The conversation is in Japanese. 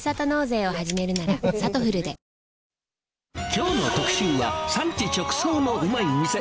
きょうの特集は、産地直送のうまい店。